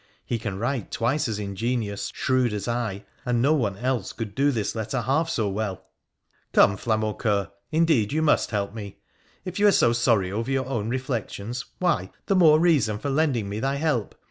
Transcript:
He can write twice as ingenious, shrewd as I, and no one else could do this letter half so well. ' Come, Flamaucoeur ! indeed, you must help me. If you are so sorry over your own reflections, why, the more reason for lending me thy help.